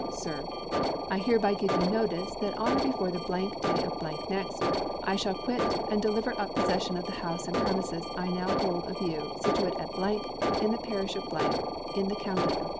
_ Sir, I hereby give you notice, that on or before the day of next, I shall quit and deliver up possession of the house and premises I now hold of you, situate at , in the parish of , in the county of